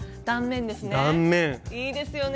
断面ですね。